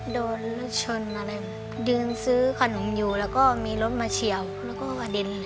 โดนรถชนอะไรยืนซื้อขนมอยู่แล้วก็มีรถมาเฉียวแล้วก็กระเด็น